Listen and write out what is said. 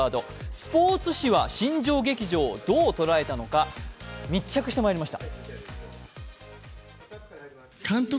スポーツ紙は新庄劇場をどう捉えたのか、密着してまいりました。